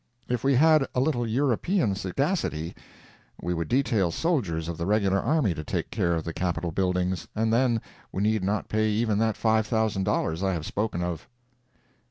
If we had a little European sagacity, we would detail soldiers of the regular army to take care of the Capitol buildings, and then we need not pay even that $5,000 I have spoken of.